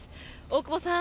大久保さん